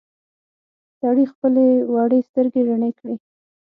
سړي خپلې وړې سترګې رڼې کړې.